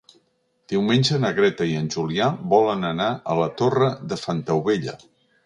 Diumenge na Greta i en Julià volen anar a la Torre de Fontaubella.